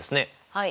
はい。